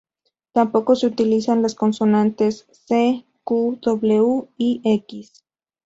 Tampoco se utilizan las consonantes "c", "q", "w" y "x".